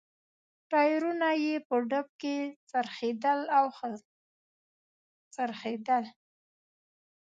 ټایرونه یې په ډب کې څرخېدل او څرخېدل.